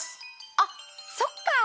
あっそっか！